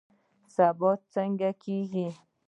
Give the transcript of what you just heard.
سبا څنګه کیږي؟